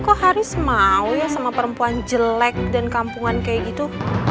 kok harus mau ya sama perempuan jelek dan kampungan kayak gitu